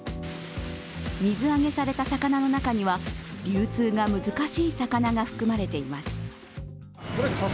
水揚げされた魚の中には流通が難しい魚が含まれています。